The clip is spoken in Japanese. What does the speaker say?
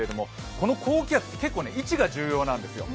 この高気圧、結構位置が重要なんですよ。